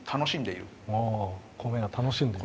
おお米が楽しんでる。